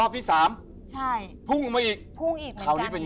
พูดอีกค่ะ